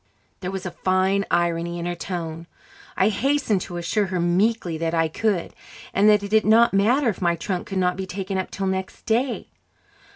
There was a fine irony in her tone. I hastened to assure her meekly that I could, and that it did not matter if my trunk could not be taken up till next day.